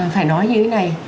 phải nói như thế này